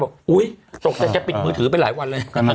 อุ๊ยตกใจแกปิดมือถือไปหลายวันเลย